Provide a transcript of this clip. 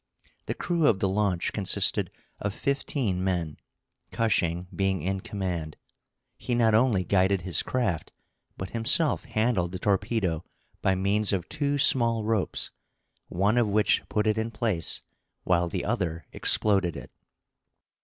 The crew of the launch consisted of fifteen men, Cushing being in command. He not only guided his craft, but himself handled the torpedo by means of two small ropes, one of which put it in place, while the other exploded it.